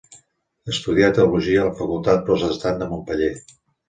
Estudià teologia a la Facultat Protestant de Montpeller.